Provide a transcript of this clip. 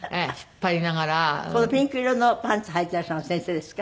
このピンク色のパンツはいていらっしゃるの先生ですか？